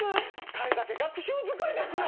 彼だけ学習机ですよ